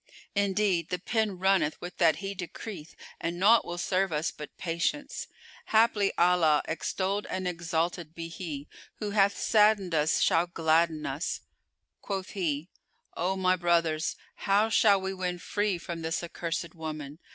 Indeed, the Pen runneth with that He decreeth and nought will serve us but patience: haply Allah (extolled and exalted be He!) who hath saddened us shall gladden us!" Quoth he, "O my brothers, how shall we win free from this accursed woman?